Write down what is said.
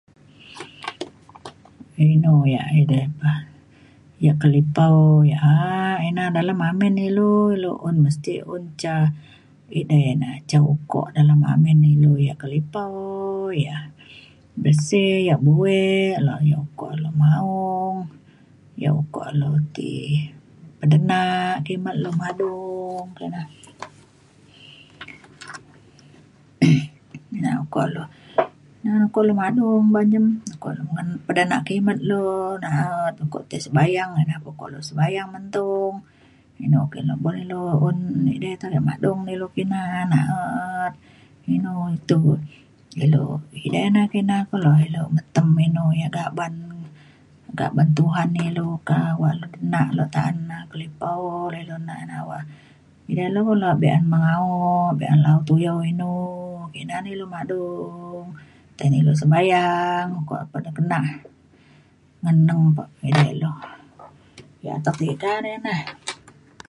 inu yak edei pah yak kelipau yak ina dalem lamin ilu ilu un mesti un ca edei na ca ukok dalem amin ilu yak kelipau ia’ bersih yak buek dalem ukok lu maong yak ukok lu ti pedenak kimet lu madung kina. ina ukok lu na kulu madung menyun pe denak kimet lu na’et ukok tai sebayang ukok lu sebayang mentung inu [unintelligible] buk ilu un edei te re madung na ilu kina na na’et inu tu- ilu edei na kina kulo ilu metem inu yak gaban gaban Tuhan ilu kawak denak le ta’an na kelipau ilu nak na awang ida le kulo be’un mao be’un lau tuyau inu ina na ilu madung tai na ilu sebayang ukok pe de kenak ngeneng edei lu yak atek tiga ne na